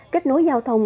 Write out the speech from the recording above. kết nối giao thông